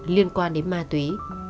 liên quan đến ma túy